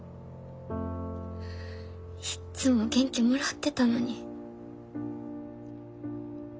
いっつも元気もらってたのに。